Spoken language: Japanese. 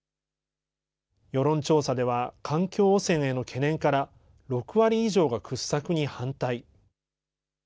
世論調査では、環境汚染への懸念から、６割以上が掘削に反対。